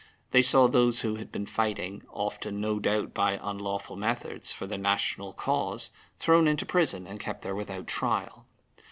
They saw those who had been fighting, often, no doubt, by unlawful methods, for the national cause, thrown into prison and kept there without trial.